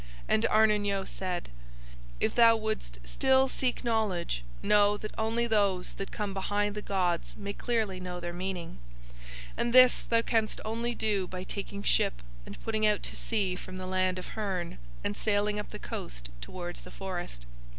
"'And Arnin Yo said: "'If thou wouldst still seek knowledge know that only those that come behind the gods may clearly know their meaning. And this thou canst only do by taking ship and putting out to sea from the land of Hurn and sailing up the coast towards the forest.